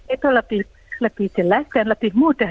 itu lebih jelas dan lebih mudah